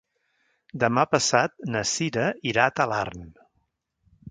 Demà passat na Cira irà a Talarn.